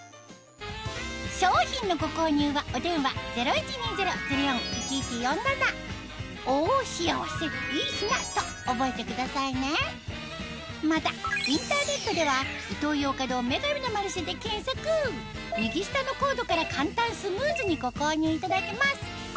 商品のご購入はお電話０１２０−０４−１１４７と覚えてくださいねまたインターネットでは右下のコードから簡単スムーズにご購入いただけます